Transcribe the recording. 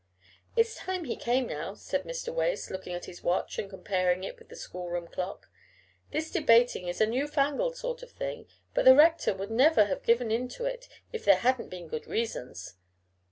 "It's time he came now," said Mr. Wace, looking at his watch and comparing it with the schoolroom clock. "This debating is a new fangled sort of thing; but the rector would never have given in to it if there hadn't been good reasons.